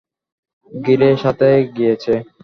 গিরে সাথে গিয়েছে।